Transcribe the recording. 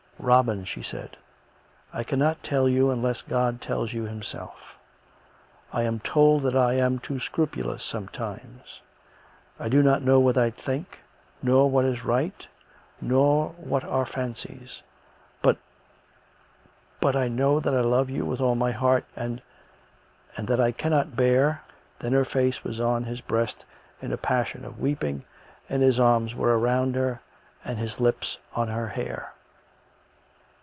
" Robin," she said, " I cannot tell you unless God tells you Himself. I am told that I am too scrupulous some times. ... I do not know what I think, nor what is right, nor what are fancies. ... But ... but I know that I love you with all my heart ... and ... and that I can not bear " Then her face was on his breast in a passion of weeping, and his arms were round her, and his lips on her hair.